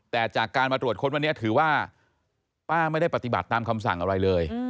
แต่จากการมาตรวจค้นวันนี้ถือว่าป้าไม่ได้ปฏิบัติตามคำสั่งอะไรเลย